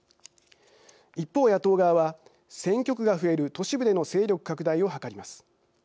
一方、野党側は選挙区が増える都市部での勢力拡大を図ります。